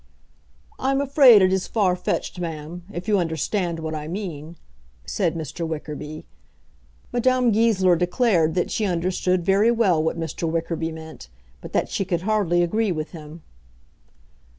"I'm afraid it is far fetched, Ma'am, if you understand what I mean," said Mr. Wickerby. Madame Goesler declared that she understood very well what Mr. Wickerby meant, but that she could hardly agree with him.